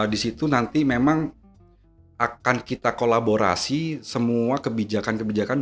di situ nanti memang akan kita kolaborasi semua kebijakan kebijakan